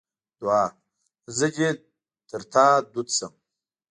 دوعا: زه دې تر تا دود سم.